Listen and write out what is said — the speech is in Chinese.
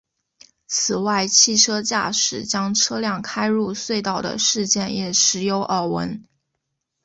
此外汽车驾驶将车辆开入隧道的事件也时有耳闻。